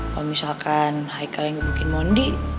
kalo misalkan haikal yang gebukin mondi